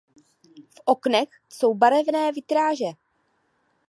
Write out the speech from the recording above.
V oknech jsou barevné vitráže.